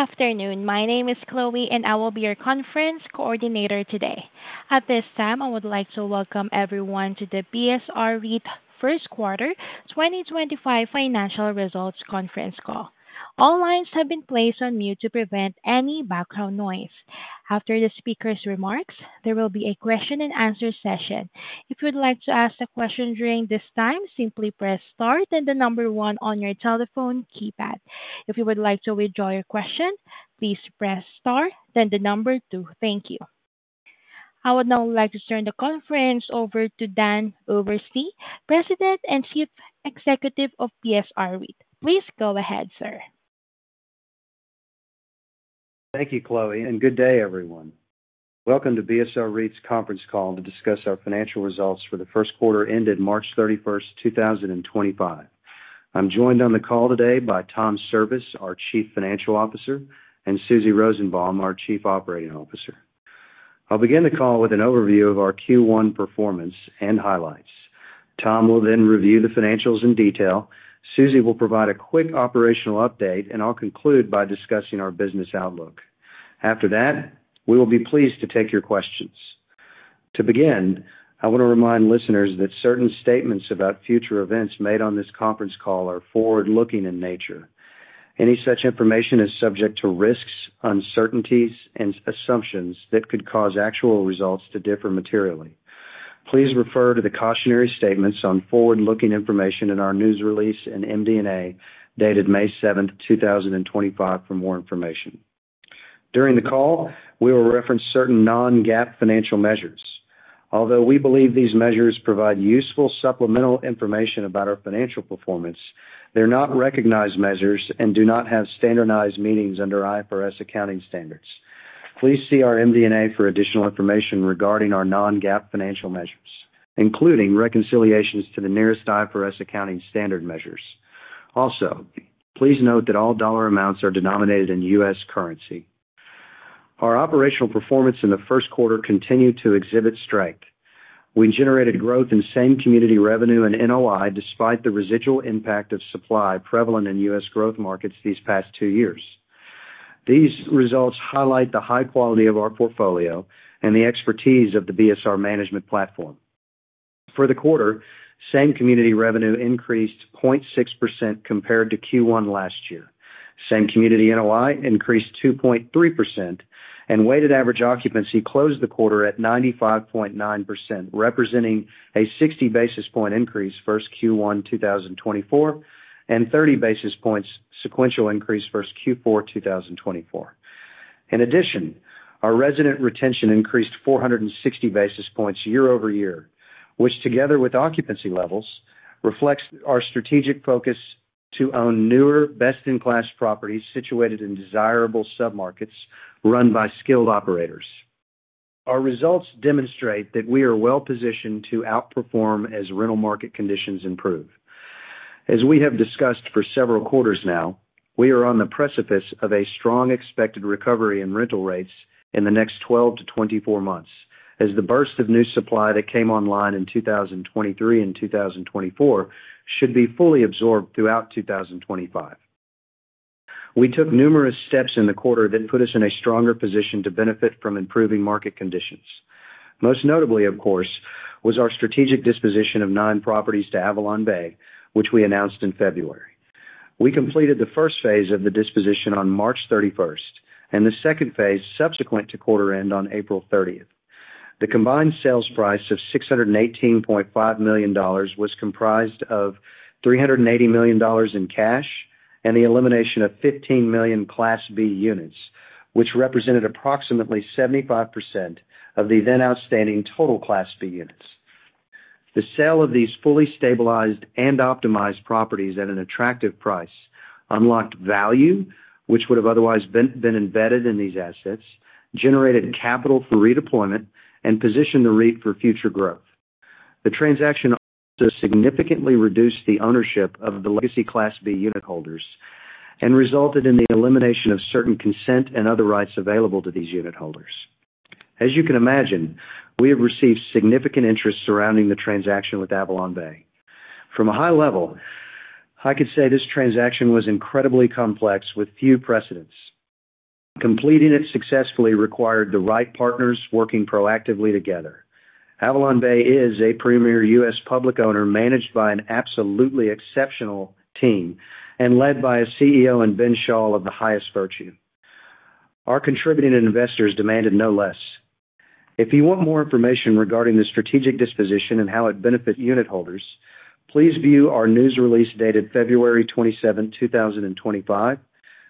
Good afternoon. My name is Chloe, and I will be your conference coordinator today. At this time, I would like to welcome everyone to the BSR REIT First Quarter 2025 Financial Results Conference Call. All lines have been placed on mute to prevent any background noise. After the speaker's remarks, there will be a question-and-answer session. If you would like to ask a question during this time, simply press Star, then the number one on your telephone keypad. If you would like to withdraw your question, please press Star, then the number two. Thank you. I would now like to turn the conference over to Dan Oberste, President and Chief Executive Officer of BSR REIT. Please go ahead, sir. Thank you, Chloe, and good day, everyone. Welcome to BSR REIT's conference call to discuss our financial results for the first quarter ended March 31, 2025. I'm joined on the call today by Tom Service, our Chief Financial Officer, and Susie Rosenbaum, our Chief Operating Officer. I'll begin the call with an overview of our Q1 performance and highlights. Tom will then review the financials in detail. Susie will provide a quick operational update, and I'll conclude by discussing our business outlook. After that, we will be pleased to take your questions. To begin, I want to remind listeners that certain statements about future events made on this conference call are forward-looking in nature. Any such information is subject to risks, uncertainties, and assumptions that could cause actual results to differ materially. Please refer to the cautionary statements on forward-looking information in our news release and MD&A dated May 7, 2025, for more information. During the call, we will reference certain non-GAAP financial measures. Although we believe these measures provide useful supplemental information about our financial performance, they're not recognized measures and do not have standardized meanings under IFRS accounting standards. Please see our MD&A for additional information regarding our non-GAAP financial measures, including reconciliations to the nearest IFRS accounting standard measures. Also, please note that all dollar amounts are denominated in U.S. currency. Our operational performance in the first quarter continued to exhibit strength. We generated growth in same-community revenue and NOI despite the residual impact of supply prevalent in U.S. growth markets these past two years. These results highlight the high quality of our portfolio and the expertise of the BSR management platform. For the quarter, same-community revenue increased 0.6% compared to Q1 last year. Same-community NOI increased 2.3%, and weighted average occupancy closed the quarter at 95.9%, representing a 60 basis point increase versus Q1 2024 and a 30 basis point sequential increase versus Q4 2024. In addition, our resident retention increased 460 basis points year over year, which together with occupancy levels reflects our strategic focus to own newer, best-in-class properties situated in desirable submarkets run by skilled operators. Our results demonstrate that we are well-positioned to outperform as rental market conditions improve. As we have discussed for several quarters now, we are on the precipice of a strong expected recovery in rental rates in the next 12-24 months, as the burst of new supply that came online in 2023 and 2024 should be fully absorbed throughout 2025. We took numerous steps in the quarter that put us in a stronger position to benefit from improving market conditions. Most notably, of course, was our strategic disposition of nine properties to AvalonBay, which we announced in February. We completed the first phase of the disposition on March 31 and the second phase subsequent to quarter-end on April 30. The combined sales price of $618.5 million was comprised of $380 million in cash and the elimination of 15 million Class B units, which represented approximately 75% of the then-outstanding total Class B units. The sale of these fully stabilized and optimized properties at an attractive price unlocked value, which would have otherwise been embedded in these assets, generated capital for redeployment, and positioned the REIT for future growth. The transaction also significantly reduced the ownership of the legacy Class B unit holders and resulted in the elimination of certain consent and other rights available to these unit holders. As you can imagine, we have received significant interest surrounding the transaction with AvalonBay. From a high level, I could say this transaction was incredibly complex with few precedents. Completing it successfully required the right partners working proactively together. AvalonBay is a premier U.S. public owner managed by an absolutely exceptional team and led by a CEO and bench hall of the highest virtue. Our contributing investors demanded no less. If you want more information regarding the strategic disposition and how it benefits unit holders, please view our news release dated February 27, 2025,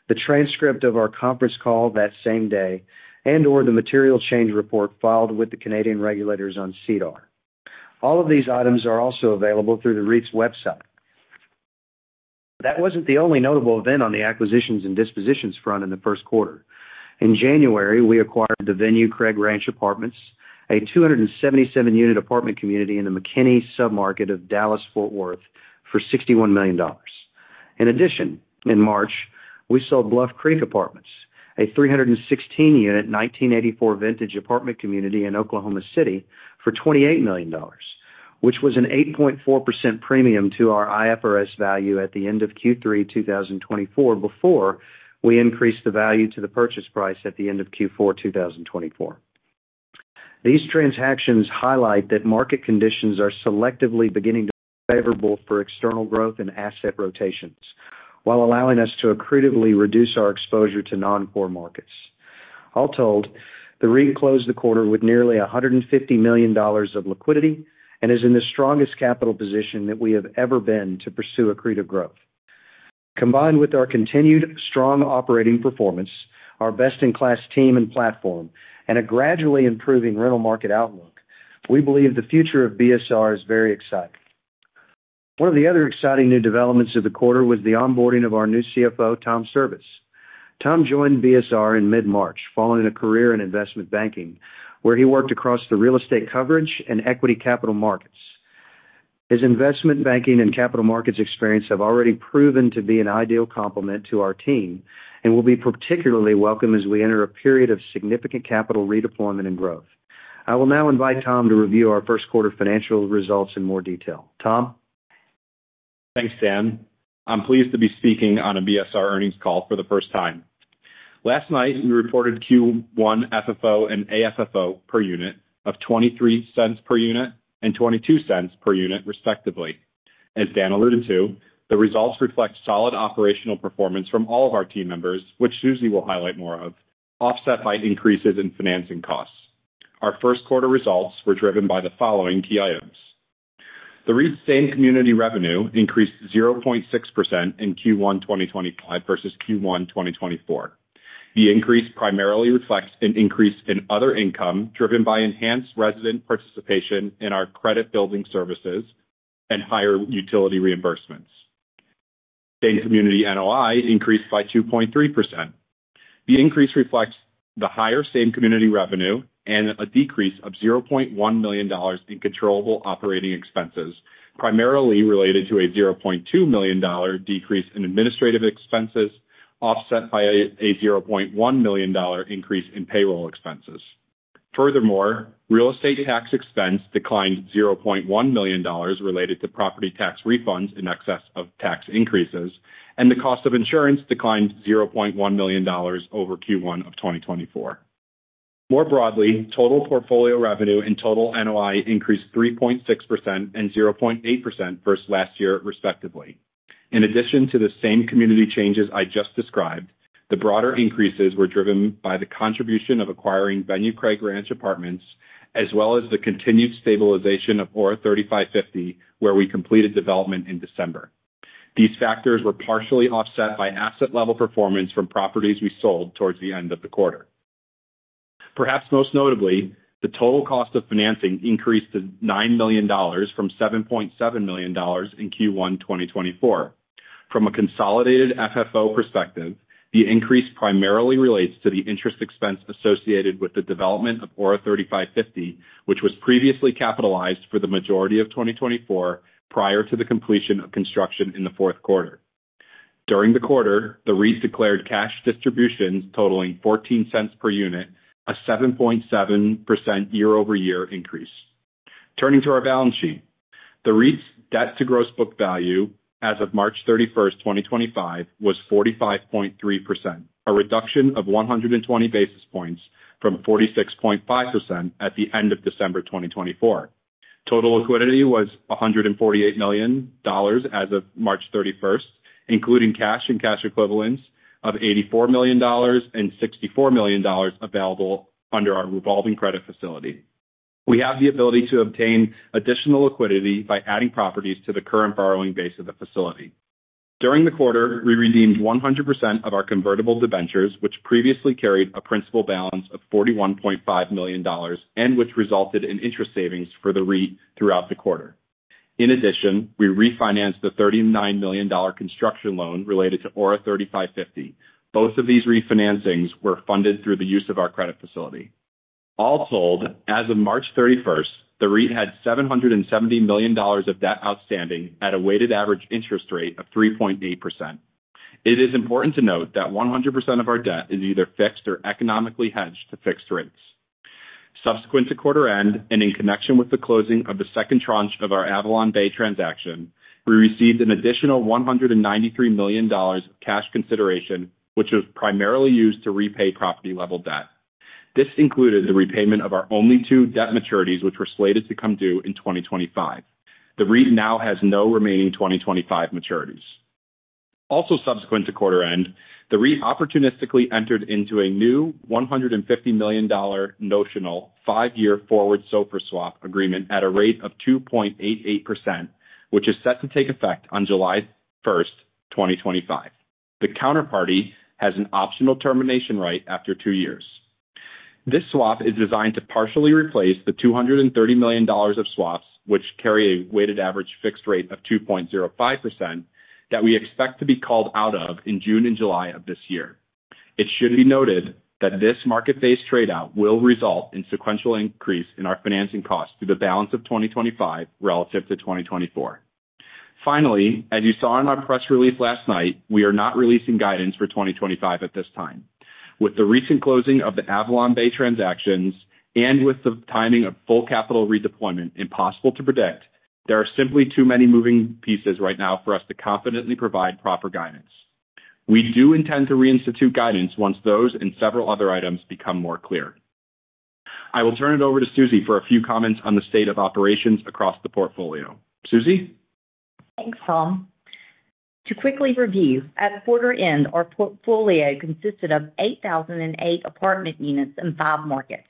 the transcript of our conference call that same day, and/or the material change report filed with the Canadian regulators on SEDAR. All of these items are also available through the REIT's website. That was not the only notable event on the acquisitions and dispositions front in the first quarter. In January, we acquired the Venue Craig Ranch Apartments, a 277-unit apartment community in the McKinney submarket of Dallas, Fort Worth, for $61 million. In addition, in March, we sold Bluff Creek Apartments, a 316-unit 1984 vintage apartment community in Oklahoma City, for $28 million, which was an 8.4% premium to our IFRS value at the end of Q3 2024 before we increased the value to the purchase price at the end of Q4 2024. These transactions highlight that market conditions are selectively beginning to be favorable for external growth and asset rotations, while allowing us to accretively reduce our exposure to non-core markets. All told, the REIT closed the quarter with nearly $150 million of liquidity and is in the strongest capital position that we have ever been to pursue accretive growth. Combined with our continued strong operating performance, our best-in-class team and platform, and a gradually improving rental market outlook, we believe the future of BSR is very exciting. One of the other exciting new developments of the quarter was the onboarding of our new CFO, Tom Service. Tom joined BSR in mid-March, following a career in investment banking, where he worked across the real estate coverage and equity capital markets. His investment banking and capital markets experience have already proven to be an ideal complement to our team and will be particularly welcome as we enter a period of significant capital redeployment and growth. I will now invite Tom to review our first quarter financial results in more detail. Tom? Thanks, Dan. I'm pleased to be speaking on a BSR earnings call for the first time. Last night, we reported Q1 FFO and AFFO per unit of $0.23 per unit and $0.22 per unit, respectively. As Dan alluded to, the results reflect solid operational performance from all of our team members, which Susie will highlight more of, offset by increases in financing costs. Our first quarter results were driven by the following key items. The REIT's same-community revenue increased 0.6% in Q1 2025 versus Q1 2024. The increase primarily reflects an increase in other income driven by enhanced resident participation in our credit-building services and higher utility reimbursements. Same-community NOI increased by 2.3%. The increase reflects the higher same-community revenue and a decrease of $0.1 million in controllable operating expenses, primarily related to a $0.2 million decrease in administrative expenses, offset by a $0.1 million increase in payroll expenses. Furthermore, real estate tax expense declined $0.1 million related to property tax refunds in excess of tax increases, and the cost of insurance declined $0.1 million over Q1 of 2024. More broadly, total portfolio revenue and total NOI increased 3.6% and 0.8% versus last year, respectively. In addition to the same-community changes I just described, the broader increases were driven by the contribution of acquiring Venue Craig Ranch Apartments, as well as the continued stabilization of ORA 3550, where we completed development in December. These factors were partially offset by asset-level performance from properties we sold towards the end of the quarter. Perhaps most notably, the total cost of financing increased to $9 million from $7.7 million in Q1 2024. From a consolidated FFO perspective, the increase primarily relates to the interest expense associated with the development of ORA 3550, which was previously capitalized for the majority of 2024 prior to the completion of construction in the fourth quarter. During the quarter, the REIT declared cash distributions totaling $0.14 per unit, a 7.7% year-over-year increase. Turning to our balance sheet, the REIT's debt-to-gross book value as of March 31, 2025, was 45.3%, a reduction of 120 basis points from 46.5% at the end of December 2024. Total liquidity was $148 million as of March 31, including cash and cash equivalents of $84 million and $64 million available under our revolving credit facility. We have the ability to obtain additional liquidity by adding properties to the current borrowing base of the facility. During the quarter, we redeemed 100% of our convertible debentures, which previously carried a principal balance of $41.5 million and which resulted in interest savings for the REIT throughout the quarter. In addition, we refinanced the $39 million construction loan related to ORA 3550. Both of these refinancings were funded through the use of our credit facility. All told, as of March 31, the REIT had $770 million of debt outstanding at a weighted average interest rate of 3.8%. It is important to note that 100% of our debt is either fixed or economically hedged to fixed rates. Subsequent to quarter-end and in connection with the closing of the second tranche of our AvalonBay transaction, we received an additional $193 million of cash consideration, which was primarily used to repay property-level debt. This included the repayment of our only two debt maturities, which were slated to come due in 2025. The REIT now has no remaining 2025 maturities. Also subsequent to quarter-end, the REIT opportunistically entered into a new $150 million notional five-year forward SOFR swap agreement at a rate of 2.88%, which is set to take effect on July 1, 2025. The counterparty has an optional termination right after two years. This swap is designed to partially replace the $230 million of swaps, which carry a weighted average fixed rate of 2.05%, that we expect to be called out of in June and July of this year. It should be noted that this market-based tradeout will result in sequential increase in our financing costs through the balance of 2025 relative to 2024. Finally, as you saw in our press release last night, we are not releasing guidance for 2025 at this time. With the recent closing of the AvalonBay transactions and with the timing of full capital redeployment impossible to predict, there are simply too many moving pieces right now for us to confidently provide proper guidance. We do intend to reinstitute guidance once those and several other items become more clear. I will turn it over to Susie for a few comments on the state of operations across the portfolio. Susie? Thanks, Tom. To quickly review, at quarter-end, our portfolio consisted of 8,008 apartment units in five markets.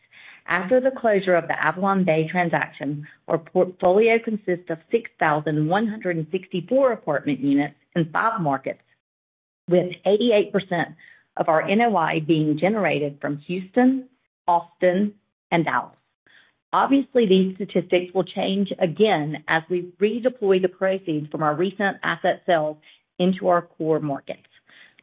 After the closure of the AvalonBay transaction, our portfolio consists of 6,164 apartment units in five markets, with 88% of our NOI being generated from Houston, Austin, and Dallas. Obviously, these statistics will change again as we redeploy the proceeds from our recent asset sales into our core markets.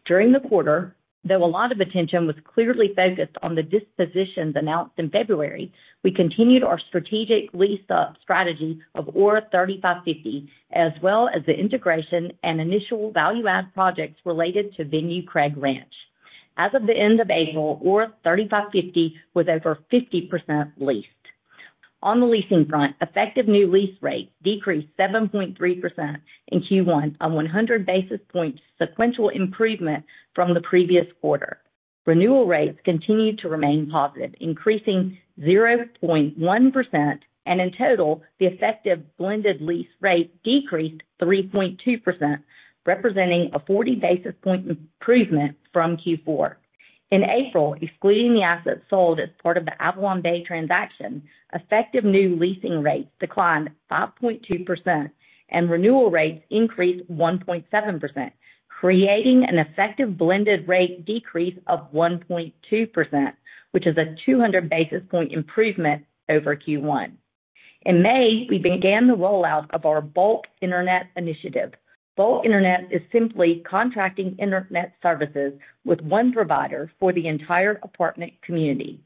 During the quarter, though a lot of attention was clearly focused on the dispositions announced in February, we continued our strategic lease-up strategy of ORA 3550, as well as the integration and initial value-add projects related to Venue Craig Ranch. As of the end of April, ORA 3550 was over 50% leased. On the leasing front, effective new lease rates decreased 7.3% in Q1, a 100 basis point sequential improvement from the previous quarter. Renewal rates continued to remain positive, increasing 0.1%, and in total, the effective blended lease rate decreased 3.2%, representing a 40 basis point improvement from Q4. In April, excluding the assets sold as part of the AvalonBay transaction, effective new leasing rates declined 5.2%, and renewal rates increased 1.7%, creating an effective blended rate decrease of 1.2%, which is a 200 basis point improvement over Q1. In May, we began the rollout of our bulk internet initiative. Bulk internet is simply contracting internet services with one provider for the entire apartment community.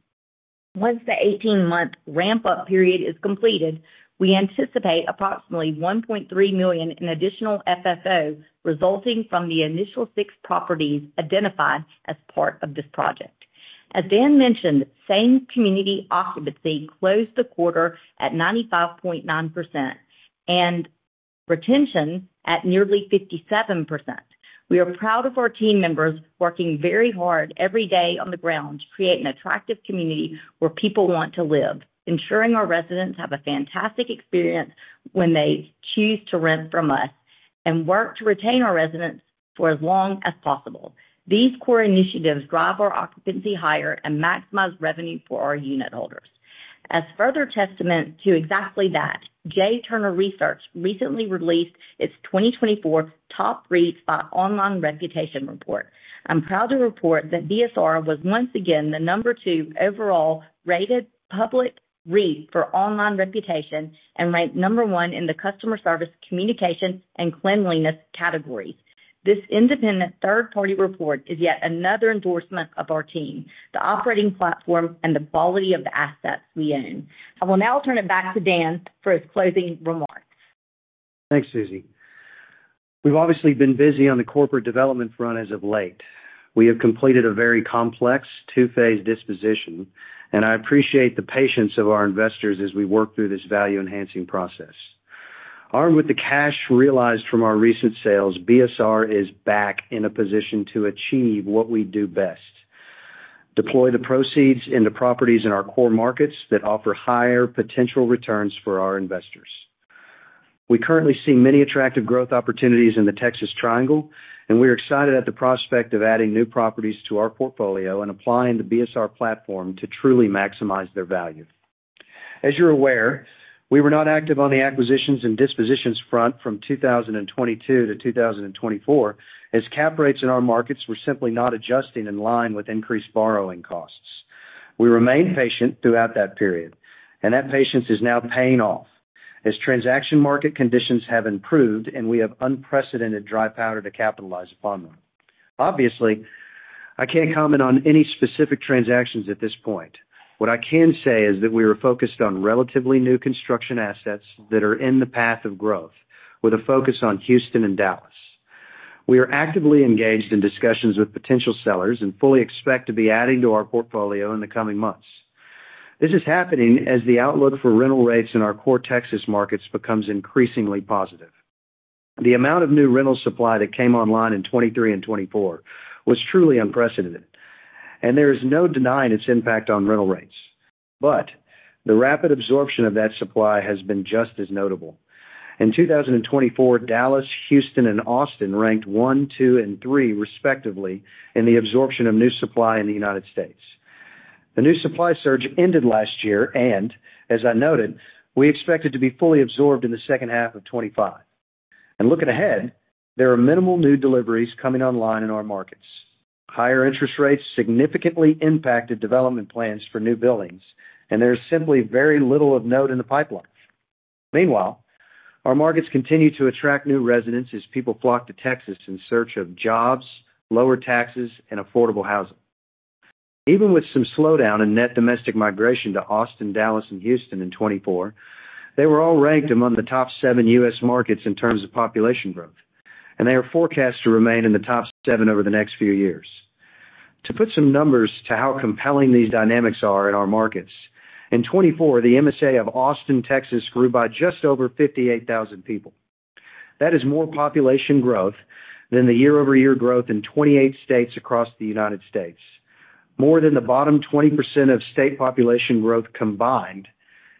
Once the 18-month ramp-up period is completed, we anticipate approximately $1.3 million in additional FFO resulting from the initial six properties identified as part of this project. As Dan mentioned, same-community occupancy closed the quarter at 95.9% and retention at nearly 57%. We are proud of our team members working very hard every day on the ground to create an attractive community where people want to live, ensuring our residents have a fantastic experience when they choose to rent from us, and work to retain our residents for as long as possible. These core initiatives drive our occupancy higher and maximize revenue for our unit holders. As further testament to exactly that, J. Turner Research recently released its 2024 Top REITs by Online Reputation report. I'm proud to report that BSR was once again the number two overall rated public REIT for online reputation and ranked number one in the customer service, communication, and cleanliness categories. This independent third-party report is yet another endorsement of our team, the operating platform, and the quality of the assets we own. I will now turn it back to Dan for his closing remarks. Thanks, Susie. We've obviously been busy on the corporate development front as of late. We have completed a very complex two-phase disposition, and I appreciate the patience of our investors as we work through this value-enhancing process. Armed with the cash realized from our recent sales, BSR is back in a position to achieve what we do best: deploy the proceeds into properties in our core markets that offer higher potential returns for our investors. We currently see many attractive growth opportunities in the Texas Triangle, and we are excited at the prospect of adding new properties to our portfolio and applying the BSR platform to truly maximize their value. As you're aware, we were not active on the acquisitions and dispositions front from 2022 to 2024, as cap rates in our markets were simply not adjusting in line with increased borrowing costs. We remained patient throughout that period, and that patience is now paying off, as transaction market conditions have improved and we have unprecedented dry powder to capitalize upon them. Obviously, I can't comment on any specific transactions at this point. What I can say is that we are focused on relatively new construction assets that are in the path of growth, with a focus on Houston and Dallas. We are actively engaged in discussions with potential sellers and fully expect to be adding to our portfolio in the coming months. This is happening as the outlook for rental rates in our core Texas markets becomes increasingly positive. The amount of new rental supply that came online in 2023 and 2024 was truly unprecedented, and there is no denying its impact on rental rates. The rapid absorption of that supply has been just as notable. In 2024, Dallas, Houston, and Austin ranked one, two, and three, respectively, in the absorption of new supply in the U.S. The new supply surge ended last year, and, as I noted, we expected to be fully absorbed in the second half of 2025. Looking ahead, there are minimal new deliveries coming online in our markets. Higher interest rates significantly impacted development plans for new buildings, and there is simply very little of note in the pipeline. Meanwhile, our markets continue to attract new residents as people flock to Texas in search of jobs, lower taxes, and affordable housing. Even with some slowdown in net domestic migration to Austin, Dallas, and Houston in 2024, they were all ranked among the top seven U.S. markets in terms of population growth, and they are forecast to remain in the top seven over the next few years. To put some numbers to how compelling these dynamics are in our markets, in 2024, the MSA of Austin, Texas, grew by just over 58,000 people. That is more population growth than the year-over-year growth in 28 states across the United States, more than the bottom 20% of state population growth combined,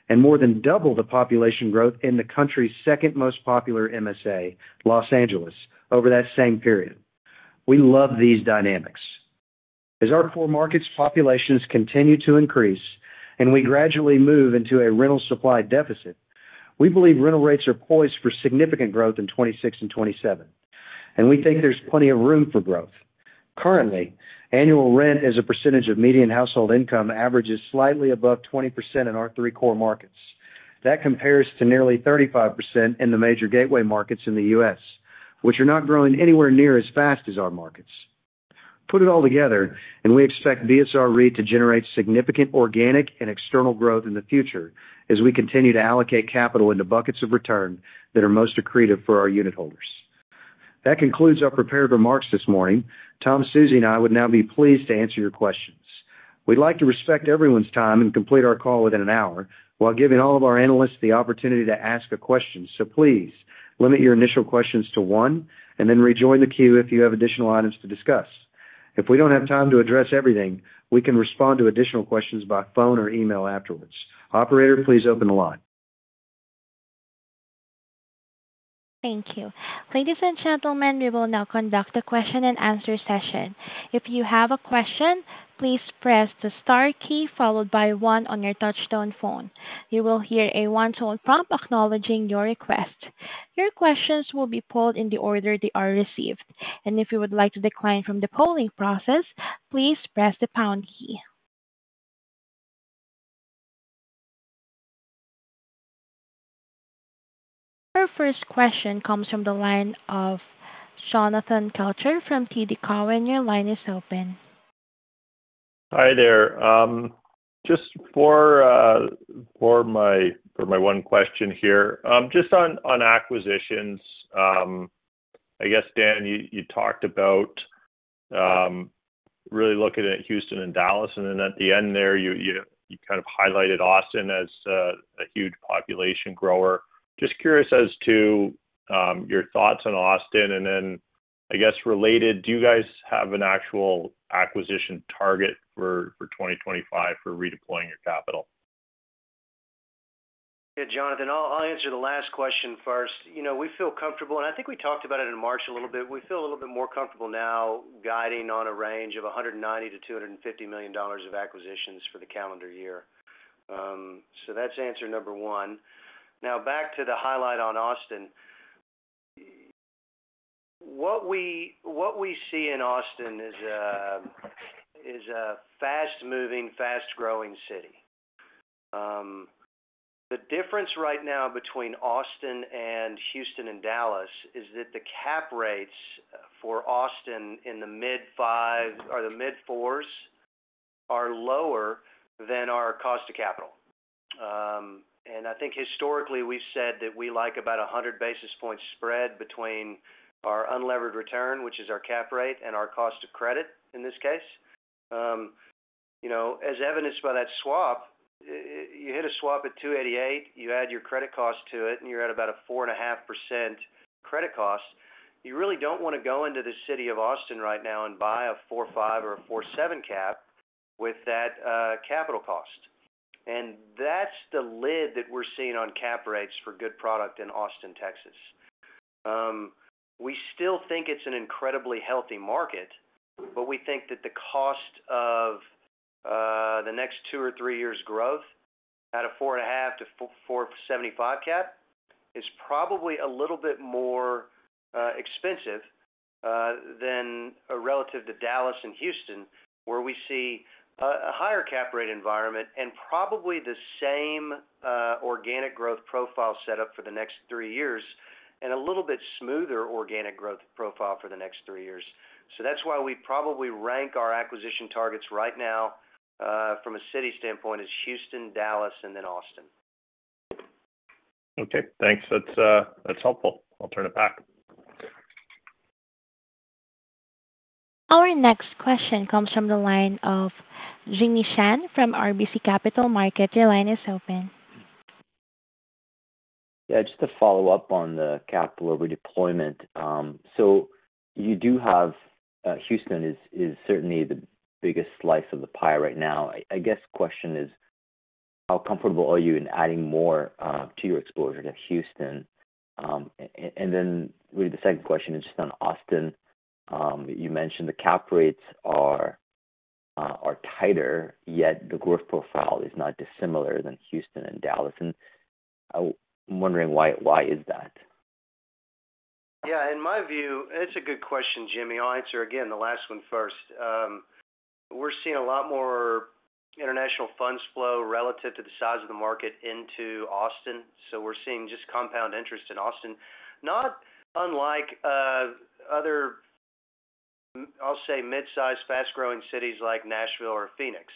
and more than double the population growth in the country's second most popular MSA, Los Angeles, over that same period. We love these dynamics. As our core markets' populations continue to increase and we gradually move into a rental supply deficit, we believe rental rates are poised for significant growth in 2026 and 2027, and we think there's plenty of room for growth. Currently, annual rent as a percentage of median household income averages slightly above 20% in our three core markets. That compares to nearly 35% in the major gateway markets in the U.S., which are not growing anywhere near as fast as our markets. Put it all together, and we expect BSR REIT to generate significant organic and external growth in the future as we continue to allocate capital into buckets of return that are most accretive for our unit holders. That concludes our prepared remarks this morning. Tom, Susie, and I would now be pleased to answer your questions. We'd like to respect everyone's time and complete our call within an hour while giving all of our analysts the opportunity to ask a question. Please limit your initial questions to one and then rejoin the queue if you have additional items to discuss. If we do not have time to address everything, we can respond to additional questions by phone or email afterwards. Operator, please open the line. Thank you. Ladies and gentlemen, we will now conduct a question-and-answer session. If you have a question, please press the star key followed by one on your touch-tone phone. You will hear a one-tone prompt acknowledging your request. Your questions will be polled in the order they are received. If you would like to decline from the polling process, please press the pound key. Our first question comes from the line of Jonathan Kelcher from TD Cowen. Your line is open. Hi there. Just for my one question here, just on acquisitions, I guess, Dan, you talked about really looking at Houston and Dallas, and then at the end there, you kind of highlighted Austin as a huge population grower. Just curious as to your thoughts on Austin, and then, I guess, related, do you guys have an actual acquisition target for 2025 for redeploying your capital? Yeah, Jonathan, I'll answer the last question first. We feel comfortable, and I think we talked about it in March a little bit. We feel a little bit more comfortable now guiding on a range of $190 million-$250 million of acquisitions for the calendar year. So that's answer number one. Now, back to the highlight on Austin. What we see in Austin is a fast-moving, fast-growing city. The difference right now between Austin and Houston and Dallas is that the cap rates for Austin in the mid-five or the mid-fours are lower than our cost of capital. I think historically, we've said that we like about 100 basis points spread between our unlevered return, which is our cap rate, and our cost of credit in this case. As evidenced by that swap, you hit a swap at 2.88, you add your credit cost to it, and you're at about a 4.5% credit cost. You really don't want to go into the city of Austin right now and buy a 4.5 or a 4.7 cap with that capital cost. That's the lid that we're seeing on cap rates for good product in Austin, Texas. We still think it's an incredibly healthy market, but we think that the cost of the next two or three years' growth at a 4.5-4.75% cap is probably a little bit more expensive than relative to Dallas and Houston, where we see a higher cap rate environment and probably the same organic growth profile setup for the next three years and a little bit smoother organic growth profile for the next three years. That's why we probably rank our acquisition targets right now from a city standpoint as Houston, Dallas, and then Austin. Okay. Thanks. That's helpful. I'll turn it back. Our next question comes from the line of Jimmy Shan from RBC Capital Markets. Your line is open. Yeah, just to follow up on the capital over deployment. You do have Houston is certainly the biggest slice of the pie right now. I guess the question is, how comfortable are you in adding more to your exposure to Houston? The second question is just on Austin. You mentioned the cap rates are tighter, yet the growth profile is not dissimilar than Houston and Dallas. I'm wondering why is that? Yeah. In my view, it's a good question, Jimmy. I'll answer again the last one first. We're seeing a lot more international funds flow relative to the size of the market into Austin. So we're seeing just compound interest in Austin, not unlike other, I'll say, mid-size, fast-growing cities like Nashville or Phoenix.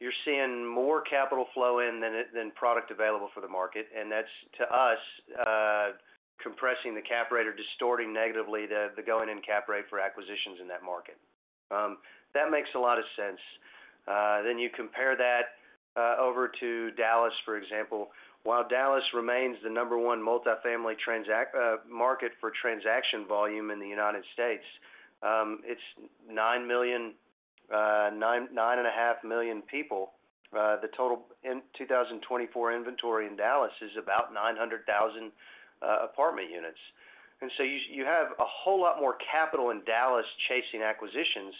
You're seeing more capital flow in than product available for the market, and that's, to us, compressing the cap rate or distorting negatively the going-in cap rate for acquisitions in that market. That makes a lot of sense. You compare that over to Dallas, for example. While Dallas remains the number one multifamily market for transaction volume in the U.S., it's 9 million-9.5 million people. The total 2024 inventory in Dallas is about 900,000 apartment units. You have a whole lot more capital in Dallas chasing acquisitions,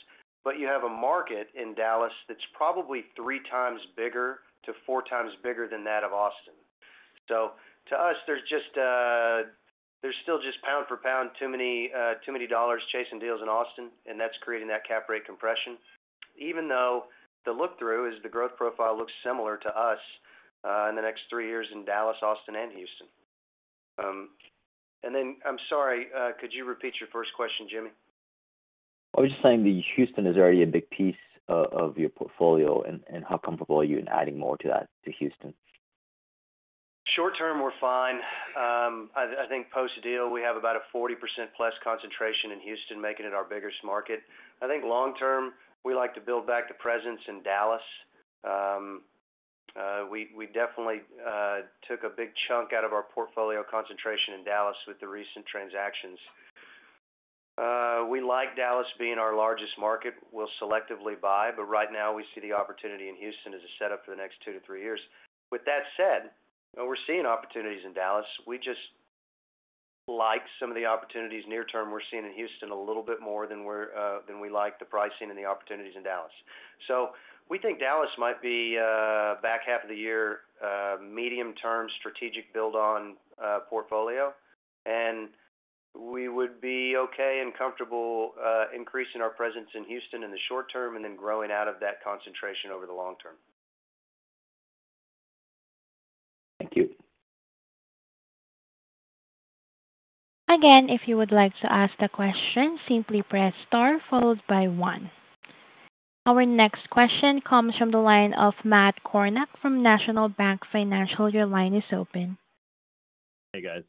but you have a market in Dallas that is probably three times bigger to four times bigger than that of Austin. To us, there are still just pound for pound, too many dollars chasing deals in Austin, and that is creating that cap rate compression, even though the look-through is the growth profile looks similar to us in the next three years in Dallas, Austin, and Houston. I'm sorry, could you repeat your first question, Jimmy? I was just saying that Houston is already a big piece of your portfolio, and how comfortable are you in adding more to that to Houston? Short term, we're fine. I think post-deal, we have about a 40%+ concentration in Houston, making it our biggest market. I think long term, we like to build back the presence in Dallas. We definitely took a big chunk out of our portfolio concentration in Dallas with the recent transactions. We like Dallas being our largest market. We'll selectively buy, but right now, we see the opportunity in Houston as a setup for the next two to three years. With that said, we're seeing opportunities in Dallas. We just like some of the opportunities near-term we're seeing in Houston a little bit more than we like the pricing and the opportunities in Dallas. We think Dallas might be back half of the year medium-term strategic build-on portfolio, and we would be okay and comfortable increasing our presence in Houston in the short term and then growing out of that concentration over the long term. Thank you. Again, if you would like to ask the question, simply press star followed by one. Our next question comes from the line of Matt Kornack from National Bank Financial. Your line is open. Hey, guys.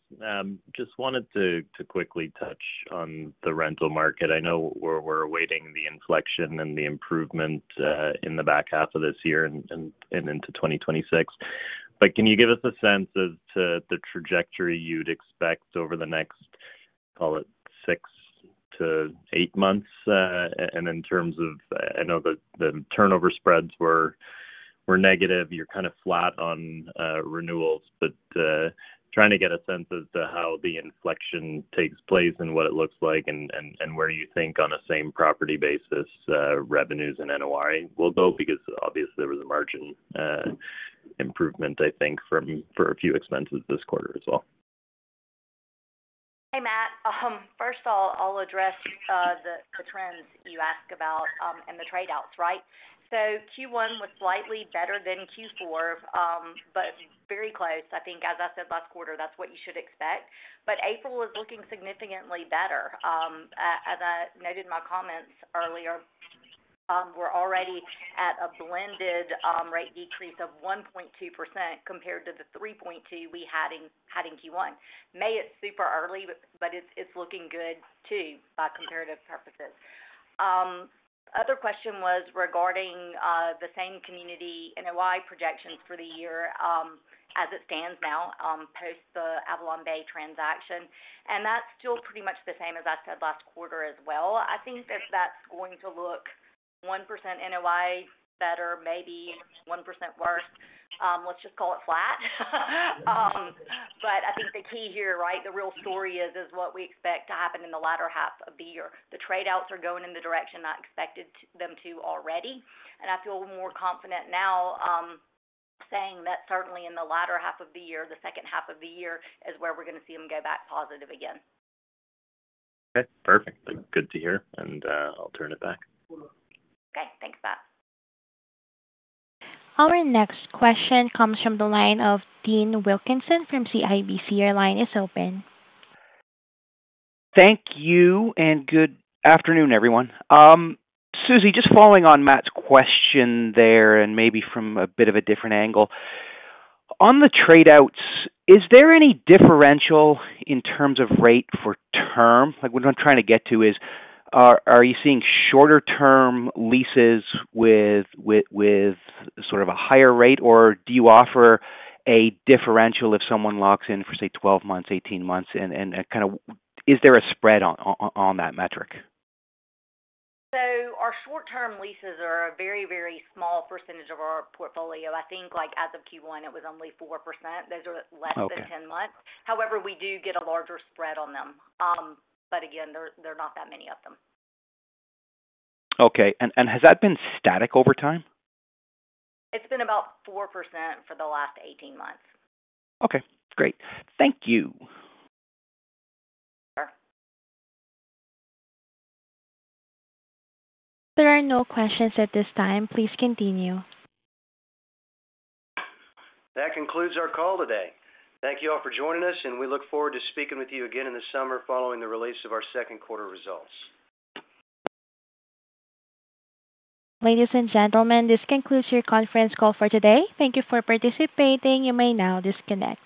Just wanted to quickly touch on the rental market. I know we're awaiting the inflection and the improvement in the back half of this year and into 2026. Can you give us a sense as to the trajectory you'd expect over the next, call it, six to eight months? In terms of, I know the turnover spreads were negative. You're kind of flat on renewals, but trying to get a sense as to how the inflection takes place and what it looks like and where you think on a same property basis revenues and NOI will go because obviously there was a margin improvement, I think, for a few expenses this quarter as well. Hey, Matt. First of all, I'll address the trends you asked about and the tradeouts, right? Q1 was slightly better than Q4, but very close. I think, as I said last quarter, that's what you should expect. April is looking significantly better. As I noted in my comments earlier, we're already at a blended rate decrease of 1.2% compared to the 3.2% we had in Q1. May, it's super early, but it's looking good too by comparative purposes. Other question was regarding the same-community NOI projections for the year as it stands now post the AvalonBay Communities transaction. That's still pretty much the same, as I said last quarter as well. I think that that's going to look 1% NOI better, maybe 1% worse. Let's just call it flat. I think the key here, right, the real story is what we expect to happen in the latter half of the year. The tradeouts are going in the direction I expected them to already. I feel more confident now saying that certainly in the latter half of the year, the second half of the year is where we're going to see them go back positive again. Okay. Perfect. Good to hear. I'll turn it back. Okay. Thanks, Matt. Our next question comes from the line of Dean Wilkinson from CIBC. Your line is open. Thank you and good afternoon, everyone. Susie, just following on Matt's question there and maybe from a bit of a different angle. On the tradeouts, is there any differential in terms of rate for term? What I'm trying to get to is, are you seeing shorter-term leases with sort of a higher rate, or do you offer a differential if someone locks in for, say, 12 months, 18 months? Is there a spread on that metric? Our short-term leases are a very, very small percentage of our portfolio. I think as of Q1, it was only 4%. Those are less than 10 months. However, we do get a larger spread on them. Again, there are not that many of them. Okay. Has that been static over time? It's been about 4% for the last 18 months. Okay. Great. Thank you. Sure. There are no questions at this time. Please continue. That concludes our call today. Thank you all for joining us, and we look forward to speaking with you again in the summer following the release of our second quarter results. Ladies and gentlemen, this concludes your conference call for today. Thank you for participating. You may now disconnect.